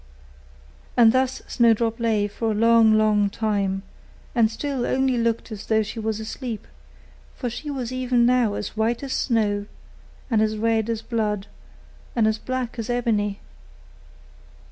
And thus Snowdrop lay for a long, long time, and still only looked as though she was asleep; for she was even now as white as snow, and as red as blood, and as black as ebony.